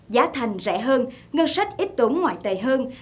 giá thành rẻ hơn ngân sách ít tốn ngoại tệ hơn